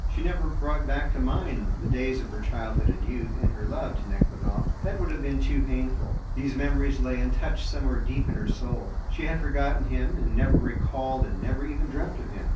She never brought back to mind the days of her childhood and youth, and her love to Nekhludoff. That would have been too painful. These memories lay untouched somewhere deep in her soul; she had forgotten him, and never recalled and never even dreamt of him.